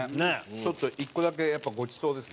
ちょっと１個だけやっぱごちそうですね。